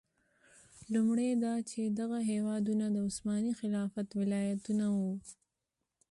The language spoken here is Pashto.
لومړی دا چې دغه هېوادونه د عثماني خلافت ولایتونه وو.